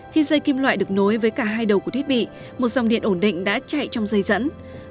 khi dây kim loại được nối với cả hai đầu của thiết bị một dòng điện ổn định đã chạy trong dây dẫn